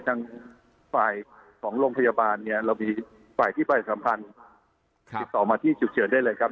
ทางฝ่ายของโรงพยาบาลเนี่ยเรามีฝ่ายที่ประชาสัมพันธ์ติดต่อมาที่จุดเฉินได้เลยครับ